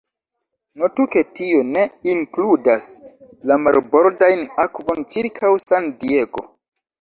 Notu ke tio ne inkludas la marbordajn akvon ĉirkaŭ San Diego.